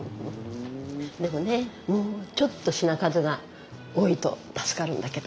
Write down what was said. でもねもうちょっと品数が多いと助かるんだけど。